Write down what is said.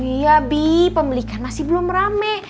iya bi pemilikan masih belum rame